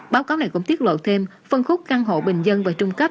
báo cáo này cũng tiết lộ thêm phân khúc căn hộ bình dân và trung cấp